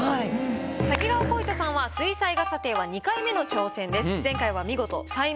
瀧川鯉斗さんは水彩画査定は２回目の挑戦です。